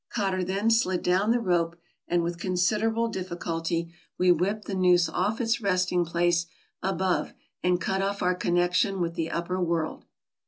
Cotter then slid down the rope, and, with considerable difficulty, we whipped the noose off its resting place above and cut off our connection with the upper world.